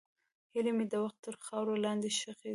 هیلې مې د وخت تر خاورو لاندې ښخې شوې.